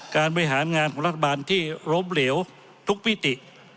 บริหารงานของรัฐบาลที่ล้มเหลวทุกมิติ